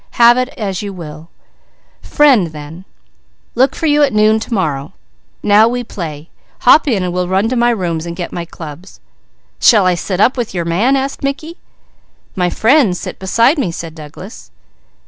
"Have it as you will. Friends, then! Look for you at noon to morrow. Now we play. Hop in and we'll run to my rooms and get my clubs." "Shall I sit up with your man?" asked Mickey. "My friends sit beside me," said Douglas.